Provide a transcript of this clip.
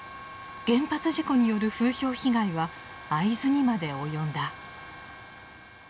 原発事故による風評被害は会津にまで及んだ。